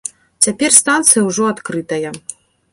Цяпер станцыя ўжо адкрытая.